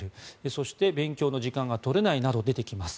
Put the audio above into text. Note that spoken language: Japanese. そして勉強の時間が取れないなど出てきます。